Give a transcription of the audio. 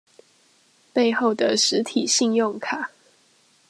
背後的實體信用卡